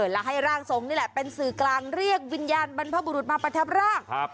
และให้ร่างทรงนี่แหละเป็นสื่อกลางเรียกวิญญาณบรรพบุรุษมาประทับร่าง